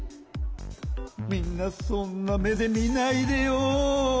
みんなそんな目で見ないでよ。